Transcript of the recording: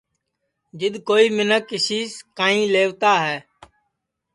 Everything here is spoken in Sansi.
جِدؔ کوئی مینکھ کسی سے کانئیں لَیوتا ہے